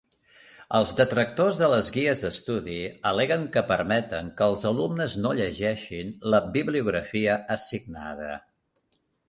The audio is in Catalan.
Els detractors de les guies d'estudi al·leguen que permeten que els alumnes no llegeixin la bibliografia assignada.